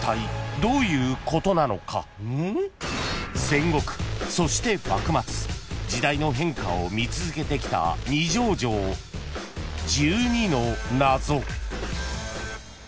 ［戦国そして幕末時代の変化を見続けてきた二条城１２の謎］